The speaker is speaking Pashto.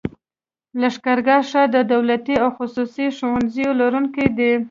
لښکرګاه ښار د دولتي او خصوصي ښوونځيو لرونکی دی.